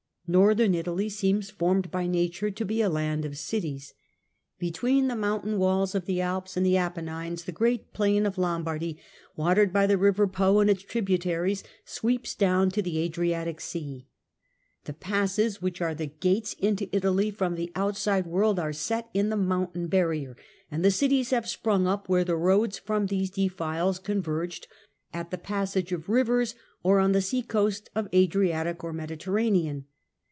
Northern Italy seems formed by nature to be a land of cities. Between the mountain walls of the Alps and the Apennines the great plain of Lombardy, watered by the river Po and its tributaries, sweeps down to the Adriatic Sea. The passes which are the gates into Italy from the out side world are set in the mountain barrier, and cities have sprung up where the roads from these defiles con verged, or at the passage of rivers, or on the sea coast of Adriatic or Mediterranean.